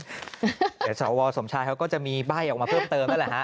เดี๋ยวสวสมชายเขาก็จะมีใบ้ออกมาเพิ่มเติมนั่นแหละฮะ